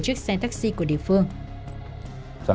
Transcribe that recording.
chuyên suất camera